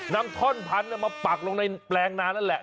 นำท่อนพันธุ์มาปักลงในแปลงนานั่นแหละ